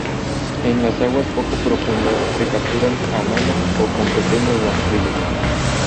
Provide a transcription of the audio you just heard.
En las aguas poco profundas se capturan a mano o con pequeños rastrillos.